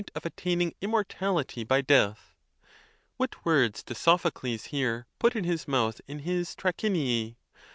of attaining immortality by death. What words does Sophocles here put in his mouth, in his Trachiniz